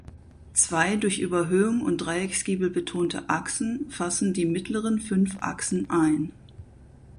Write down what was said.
Zwei durch Überhöhung und Dreiecksgiebel betonte Achsen fassen die mittleren fünf Achsen ein.